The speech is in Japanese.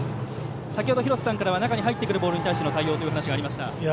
先程、廣瀬さんからは中に入ってくるボールに対しての対応というお話がありました。